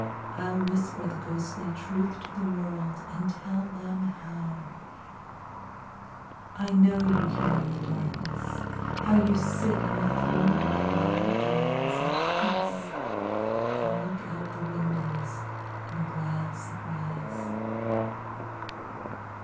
I'll whisper the ghostly truth to the worldAnd tell them howI know you here in the darkness, How you sit in the throne of my eyesAt peace, and look out of the windowsIn glad surprise.